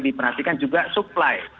diperhatikan juga supply